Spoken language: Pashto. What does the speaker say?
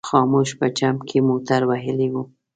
خاموش په جمپ کې موټر وهلی و.